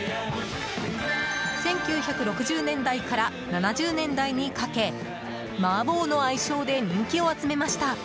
１９６０年代から７０年代にかけマー坊の愛称で人気を集めました。